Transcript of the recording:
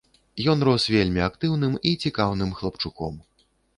Ён рос вельмі актыўным і цікаўным хлапчуком.